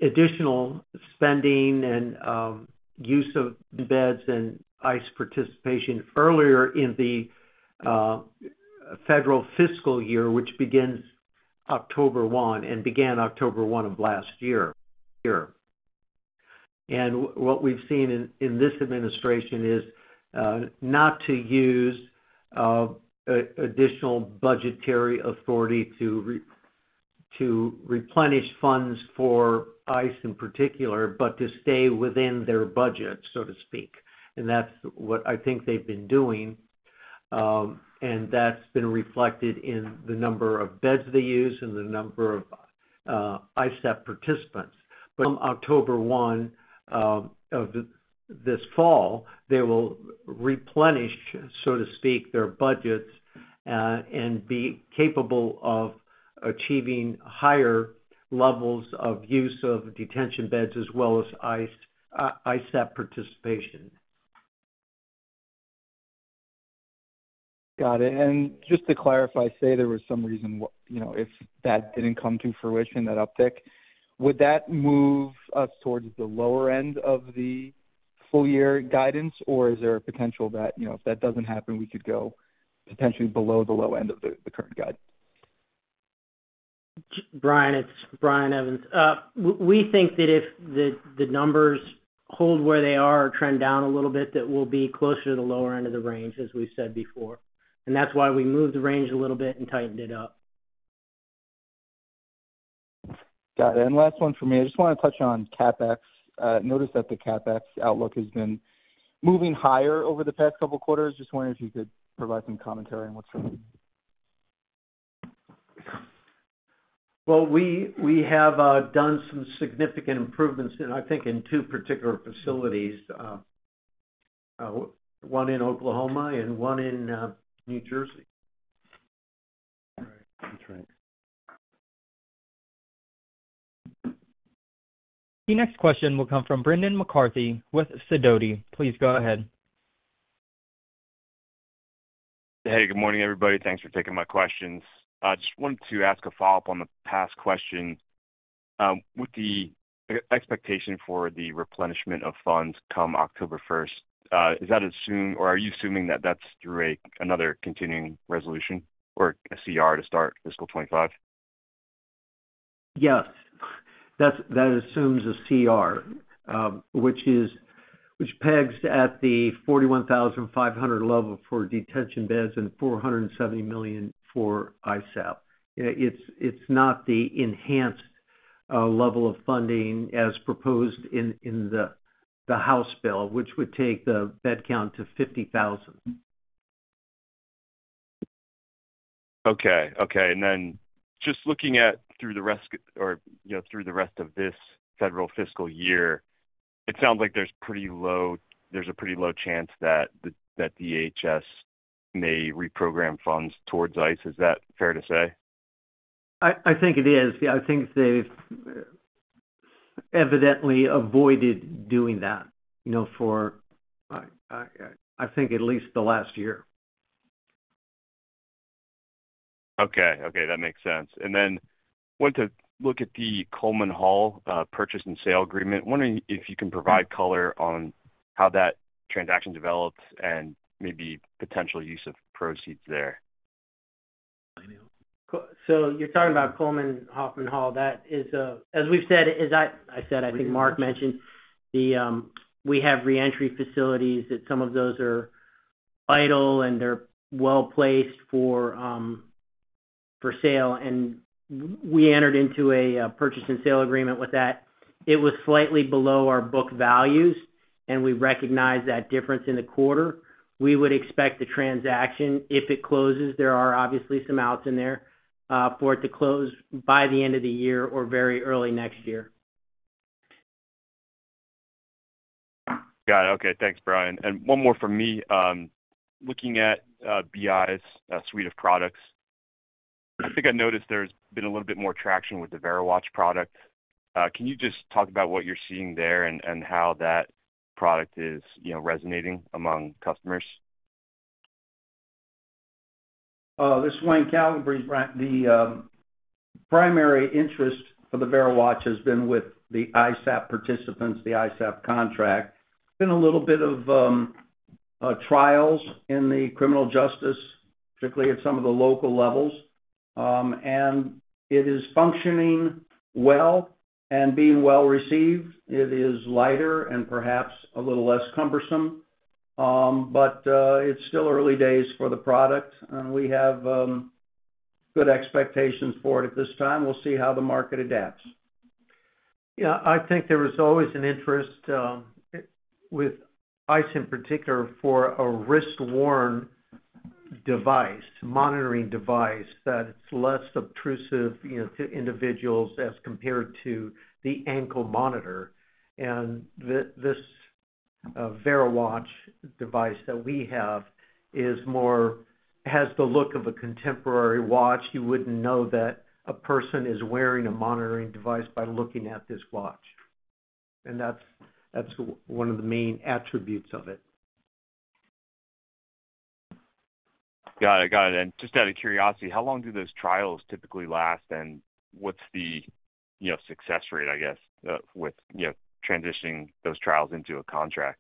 [SPEAKER 3] additional spending and use of beds and ICE participation earlier in the federal fiscal year, which begins October 1st and began October 1st of last year. What we've seen in this administration is not to use additional budgetary authority to replenish funds for ICE in particular, but to stay within their budget, so to speak. That's what I think they've been doing, and that's been reflected in the number of beds they use and the number of ISAP participants. October 1st of this fall, they will replenish, so to speak, their budgets, and be capable of achieving higher levels of use of detention beds as well as ICE ISAP participation.
[SPEAKER 9] Got it. And just to clarify, say, there was some reason, you know, if that didn't come to fruition, that uptick, would that move us towards the lower end of the full year guidance? Or is there a potential that, you know, if that doesn't happen, we could go potentially below the low end of the current guide?
[SPEAKER 4] Brian, it's Brian Evans. We think that if the, the numbers hold where they are or trend down a little bit, that we'll be closer to the lower end of the range, as we've said before. And that's why we moved the range a little bit and tightened it up.
[SPEAKER 9] Got it. Last one for me. I just wanna touch on CapEx. Noticed that the CapEx outlook has been moving higher over the past couple of quarters. Just wondering if you could provide some commentary on what's happening.
[SPEAKER 3] Well, we have done some significant improvements in, I think, in two particular facilities, one in Oklahoma and one in New Jersey.
[SPEAKER 9] All right. That's right.
[SPEAKER 1] The next question will come from Brendan McCarthy with Sidoti. Please go ahead.
[SPEAKER 10] Hey, good morning, everybody. Thanks for taking my questions. I just wanted to ask a follow-up on the past question. With the expectation for the replenishment of funds come October first, is that assumed or are you assuming that that's through another continuing resolution or a CR to start fiscal 25?
[SPEAKER 3] Yes. That assumes a CR, which pegs at the 41,500 level for detention beds and $470 million for ISAP. It's not the enhanced level of funding as proposed in the House bill, which would take the bed count to 50,000.
[SPEAKER 10] Okay. Okay, and then just looking through the rest, you know, through the rest of this federal fiscal year, it sounds like there's pretty low—there's a pretty low chance that the, that DHS may reprogram funds towards ICE. Is that fair to say?
[SPEAKER 4] I think it is. Yeah, I think they've evidently avoided doing that, you know, for, I think, at least the last year.
[SPEAKER 10] Okay, okay, that makes sense. And then want to look at the Coleman Hall purchase and sale agreement. Wondering if you can provide color on how that transaction develops and maybe potential use of proceeds there?
[SPEAKER 4] So you're talking about Coleman Hoffman Hall. That is, as we've said, as I, I said, I think Mark mentioned, We have reentry facilities, that some of those are vital, and they're well placed for, for sale, and we entered into a, purchase and sale agreement with that. It was slightly below our book values, and we recognized that difference in the quarter. We would expect the transaction, if it closes, there are obviously some outs in there, for it to close by the end of the year or very early next year....
[SPEAKER 10] Got it. Okay, thanks, Brian. And one more from me. Looking at BI's suite of products, I think I noticed there's been a little bit more traction with the VeriWatch product. Can you just talk about what you're seeing there and how that product is, you know, resonating among customers?
[SPEAKER 7] This is Wayne Calabrese, Brendan. The primary interest for the VeriWatch has been with the ISAP participants, the ISAP contract. Been a little bit of trials in the criminal justice, particularly at some of the local levels. And it is functioning well and being well received. It is lighter and perhaps a little less cumbersome. But it's still early days for the product, and we have good expectations for it at this time. We'll see how the market adapts.
[SPEAKER 4] Yeah, I think there is always an interest with ISAP, in particular, for a wrist-worn device, monitoring device, that it's less obtrusive, you know, to individuals as compared to the ankle monitor. And this VeriWatch device that we have has the look of a contemporary watch. You wouldn't know that a person is wearing a monitoring device by looking at this watch, and that's one of the main attributes of it.
[SPEAKER 10] Got it. Got it. And just out of curiosity, how long do those trials typically last, and what's the, you know, success rate, I guess, with, you know, transitioning those trials into a contract?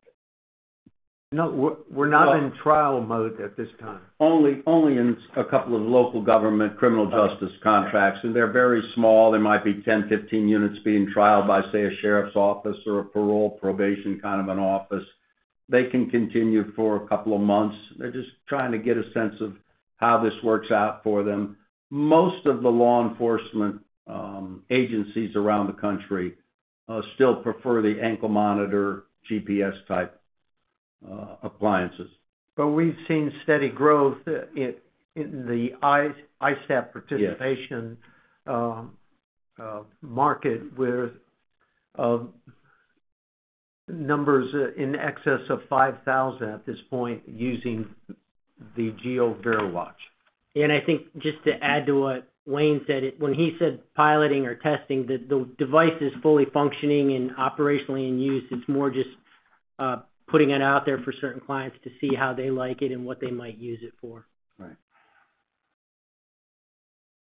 [SPEAKER 7] No, we're not in trial mode at this time. Only, only in a couple of local government criminal justice contracts. Okay. They're very small. They might be 10, 15 units being trialed by, say, a sheriff's office or a parole, probation, kind of an office. They can continue for a couple of months. They're just trying to get a sense of how this works out for them. Most of the law enforcement agencies around the country still prefer the ankle monitor, GPS-type appliances.
[SPEAKER 3] But we've seen steady growth in the ISAP participation-
[SPEAKER 7] Yes...
[SPEAKER 3] market, with numbers in excess of 5,000 at this point, using the GEO VeriWatch.
[SPEAKER 4] I think just to add to what Wayne said, when he said piloting or testing, the device is fully functioning and operationally in use. It's more just putting it out there for certain clients to see how they like it and what they might use it for.
[SPEAKER 3] Right.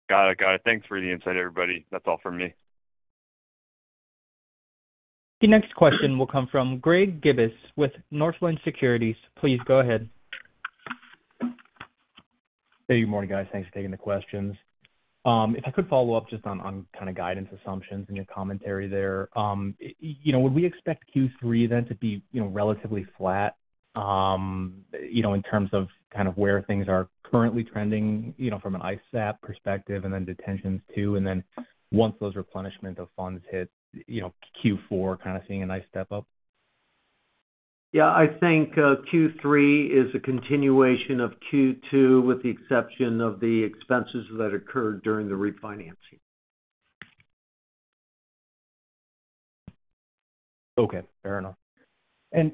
[SPEAKER 10] Got it. Got it. Thanks for the insight, everybody. That's all from me.
[SPEAKER 1] The next question will come from Greg Gibas with Northland Securities. Please go ahead.
[SPEAKER 11] Hey, good morning, guys. Thanks for taking the questions. If I could follow up just on kind of guidance assumptions and your commentary there. You know, would we expect Q3 then to be, you know, relatively flat, you know, in terms of kind of where things are currently trending, you know, from an ISAP perspective and then detentions, too? And then once those replenishment of funds hit, you know, Q4, kind of seeing a nice step up?
[SPEAKER 3] Yeah, I think Q3 is a continuation of Q2, with the exception of the expenses that occurred during the refinancing.
[SPEAKER 11] Okay, fair enough.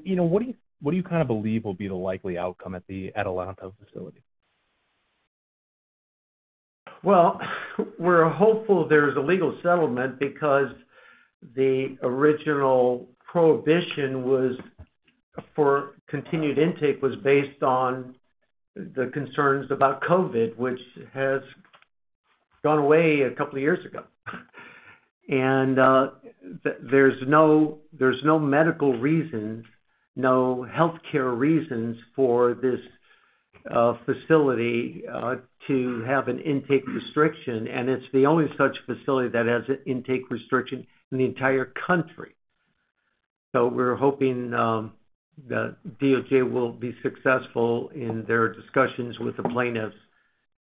[SPEAKER 11] You know, what do you kind of believe will be the likely outcome at the Adelanto facility?
[SPEAKER 4] Well, we're hopeful there's a legal settlement because the original prohibition was for continued intake, was based on the concerns about COVID, which has gone away a couple of years ago. And there's no, there's no medical reasons, no healthcare reasons for this facility to have an intake restriction, and it's the only such facility that has an intake restriction in the entire country. So we're hoping the DOJ will be successful in their discussions with the plaintiffs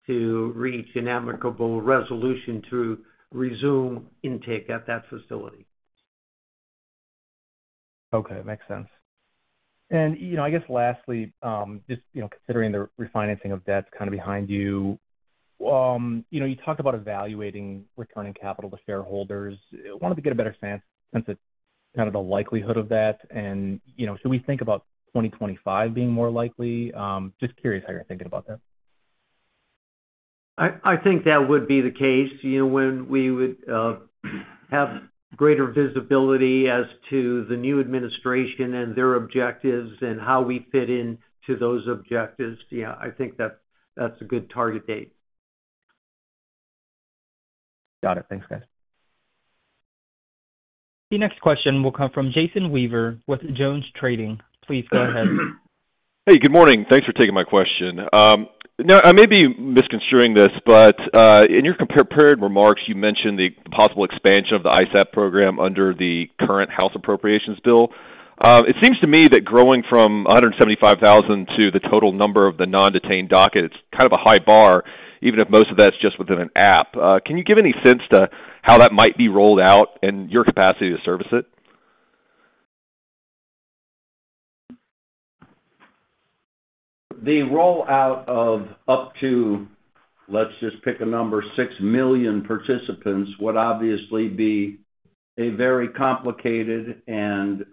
[SPEAKER 4] to reach an amicable resolution to resume intake at that facility. Okay, makes sense. And, you know, I guess lastly, just, you know, considering the refinancing of debts kind of behind you, you know, you talked about evaluating returning capital to shareholders. I wanted to get a better sense, since it's kind of the likelihood of that, and, you know, should we think about 2025 being more likely? Just curious how you're thinking about that.
[SPEAKER 3] I think that would be the case, you know, when we would have greater visibility as to the new administration and their objectives and how we fit into those objectives. Yeah, I think that's a good target date.
[SPEAKER 11] Got it. Thanks, guys.
[SPEAKER 1] The next question will come from Jason Weaver with JonesTrading. Please go ahead.
[SPEAKER 12] Hey, good morning. Thanks for taking my question. Now, I may be misconstruing this, but, in your pre-prepared remarks, you mentioned the possible expansion of the ISAP program under the current health appropriations bill. It seems to me that growing from 175,000 to the total number of the non-detained docket, it's kind of a high bar, even if most of that's just within ISAP. Can you give any sense to how that might be rolled out and your capacity to service it?...
[SPEAKER 3] The rollout of up to, let's just pick a number, 6 million participants, would obviously be a very complicated and,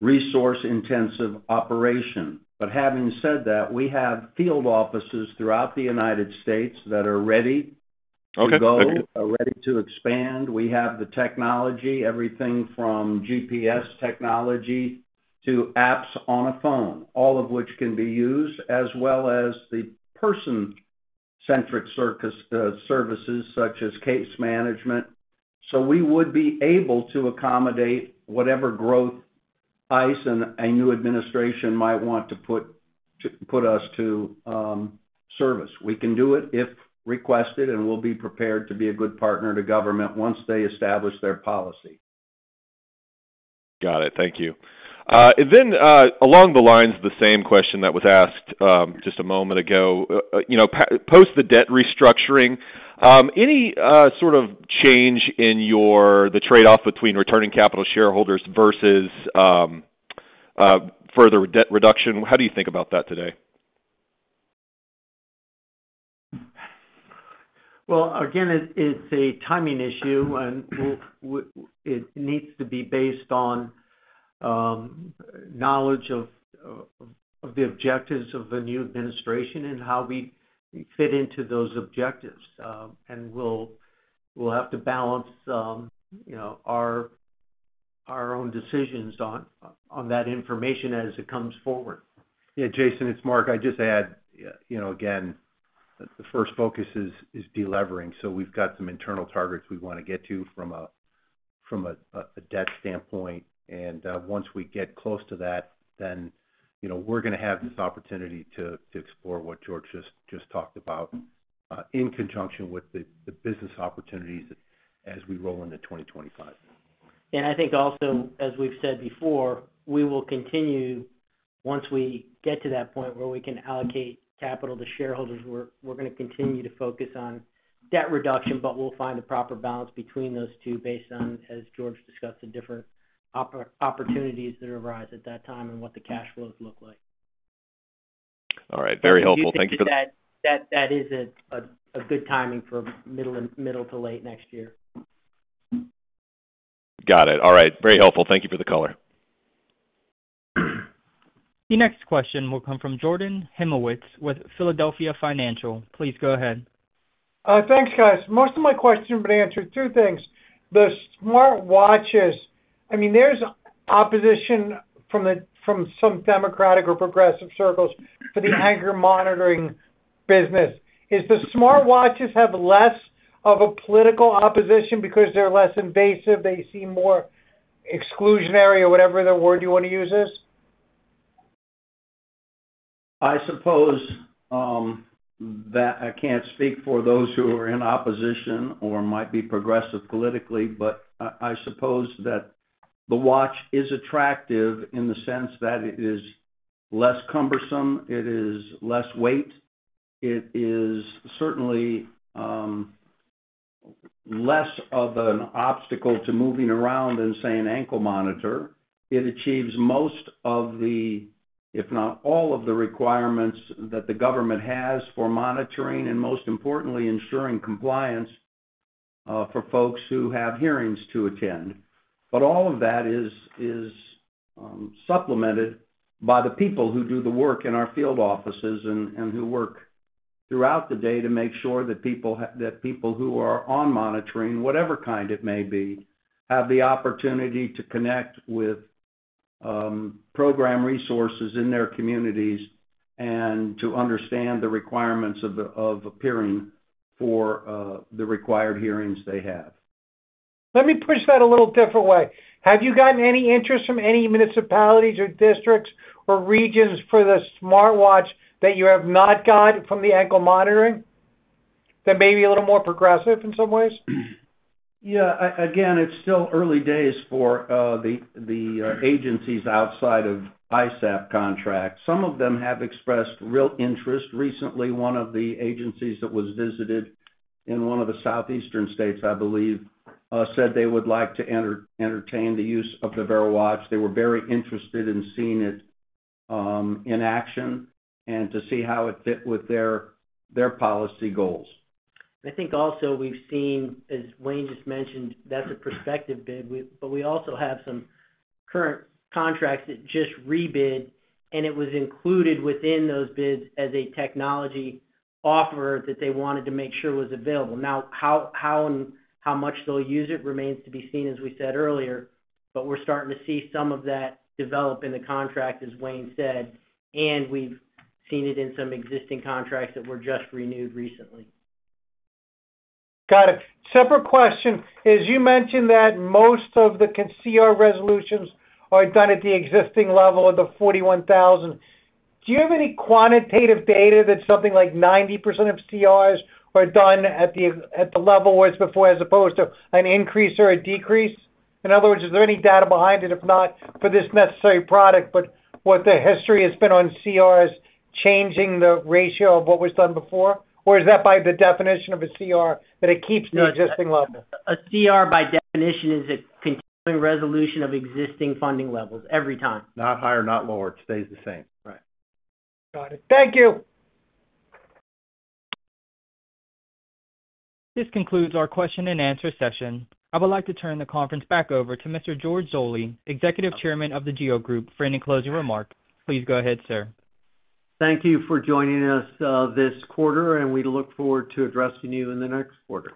[SPEAKER 3] resource-intensive operation. But having said that, we have field offices throughout the United States that are ready to go-
[SPEAKER 12] Okay.
[SPEAKER 3] are ready to expand. We have the technology, everything from GPS technology to apps on a phone, all of which can be used, as well as the person-centric services, such as case management. So we would be able to accommodate whatever growth ICE and a new administration might want to put us to service. We can do it if requested, and we'll be prepared to be a good partner to government once they establish their policy.
[SPEAKER 12] Got it. Thank you. And then, along the lines of the same question that was asked, just a moment ago, you know, post the debt restructuring, any sort of change in your—the trade-off between returning capital shareholders versus, further debt reduction? How do you think about that today?
[SPEAKER 3] Well, again, it's a timing issue, and it needs to be based on knowledge of the objectives of the new administration and how we fit into those objectives. We'll have to balance, you know, our own decisions on that information as it comes forward.
[SPEAKER 5] Yeah, Jason, it's Mark. I'd just add, you know, again, the first focus is delevering. So we've got some internal targets we wanna get to from a debt standpoint. And once we get close to that, then, you know, we're gonna have this opportunity to explore what George just talked about in conjunction with the business opportunities as we roll into 2025.
[SPEAKER 4] I think also, as we've said before, we will continue, once we get to that point where we can allocate capital to shareholders, we're, we're gonna continue to focus on debt reduction, but we'll find the proper balance between those two based on, as George discussed, the different opportunities that arise at that time and what the cash flows look like.
[SPEAKER 12] All right. Very helpful. Thank you for-
[SPEAKER 4] That is a good timing for middle to late next year.
[SPEAKER 12] Got it. All right, very helpful. Thank you for the color.
[SPEAKER 1] The next question will come from Jordan Hymowitz with Philadelphia Financial. Please go ahead.
[SPEAKER 13] Thanks, guys. Most of my questions have been answered. Two things. The smartwatches, I mean, there's opposition from some democratic or progressive circles for the ankle monitoring business. Is the smartwatches have less of a political opposition because they're less invasive, they seem more exclusionary, or whatever the word you want to use is?
[SPEAKER 7] I suppose that I can't speak for those who are in opposition or might be progressive politically, but I suppose that the watch is attractive in the sense that it is less cumbersome, it is less weight, it is certainly less of an obstacle to moving around than, say, an ankle monitor. It achieves most of the, if not all of the requirements that the government has for monitoring, and most importantly, ensuring compliance for folks who have hearings to attend. But all of that is supplemented by the people who do the work in our field offices and who work throughout the day to make sure that people who are on monitoring, whatever kind it may be, have the opportunity to connect with program resources in their communities, and to understand the requirements of appearing for the required hearings they have.
[SPEAKER 13] Let me push that a little different way. Have you gotten any interest from any municipalities or districts or regions for the smartwatch that you have not got from the ankle monitoring, that may be a little more progressive in some ways?
[SPEAKER 7] Yeah. Again, it's still early days for the agencies outside of ISAP contracts. Some of them have expressed real interest. Recently, one of the agencies that was visited in one of the southeastern states, I believe, said they would like to entertain the use of the VeriWatch. They were very interested in seeing it in action and to see how it fit with their policy goals.
[SPEAKER 4] I think also we've seen, as Wayne just mentioned, that's a prospective bid. But we also have some current contracts that just rebid, and it was included within those bids as a technology offer that they wanted to make sure was available. Now, how much they'll use it remains to be seen, as we said earlier, but we're starting to see some of that develop in the contract, as Wayne said, and we've seen it in some existing contracts that were just renewed recently.
[SPEAKER 13] Got it. Separate question. As you mentioned, that most of the CR resolutions are done at the existing level of the 41,000. Do you have any quantitative data that something like 90% of CRs are done at the, at the level was before, as opposed to an increase or a decrease? In other words, is there any data behind it, if not, for this necessary product, but what the history has been on CRs, changing the ratio of what was done before? Or is that by the definition of a CR, that it keeps the existing level?
[SPEAKER 4] A CR, by definition, is a continuing resolution of existing funding levels every time.
[SPEAKER 5] Not higher, not lower. It stays the same.
[SPEAKER 4] Right.
[SPEAKER 13] Got it. Thank you.
[SPEAKER 1] This concludes our question and answer session. I would like to turn the conference back over to Mr. George Zoley, Executive Chairman of the GEO Group, for any closing remark. Please go ahead, sir.
[SPEAKER 3] Thank you for joining us, this quarter, and we look forward to addressing you in the next quarter.